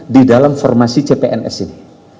di dalam formasi cpns ini